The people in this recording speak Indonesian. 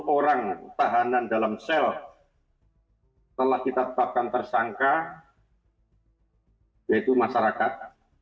enam orang tahanan dalam sel telah kita tetapkan tersangka yaitu masyarakat